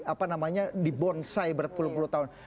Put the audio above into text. apa namanya di bonsai berpuluh puluh tahun